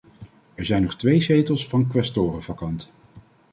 Er zijn nog twee zetels van quaestoren vacant.